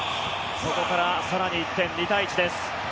そこから更に１点、２対１です。